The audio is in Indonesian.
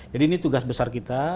jadi ini tugas besar kita